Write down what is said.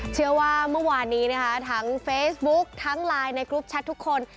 เชื่อว่าเมื่อวานนี้นะคะทั้งเฟซบุ๊กทั้งไลน์ในกรุ๊ปแชททุกคน